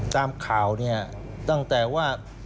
ตามข่าวเนี่ยตั้งแต่ว่า